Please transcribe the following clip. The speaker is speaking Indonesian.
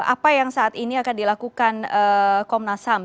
apa yang saat ini akan dilakukan komnas ham